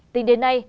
tính đến nay